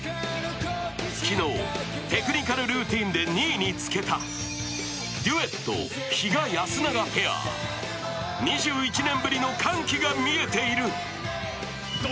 昨日テクニカルルーティンで２位につけたデュエット・比嘉・安永ペア、２１年ぶりの歓喜が見えている。